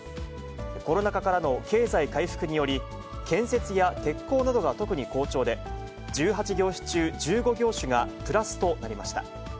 コロナ禍からの経済回復により、建設や鉄鋼などが特に好調で、１８業種中１５業種がプラスとなりました。